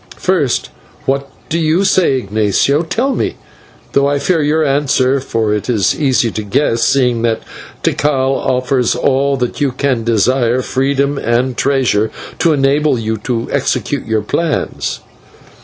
First, what do you say, Ignatio? Tell me though I fear your answer, for it is easy to guess, seeing that Tikal offers all that you can desire, freedom, and treasure to enable you to execute your plans."